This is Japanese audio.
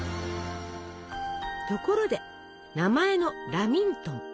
ところで名前の「ラミントン」。